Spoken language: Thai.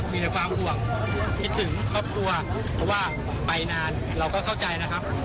มีแต่ความห่วงคิดถึงครอบครัวเพราะว่าไปนานเราก็เข้าใจนะครับ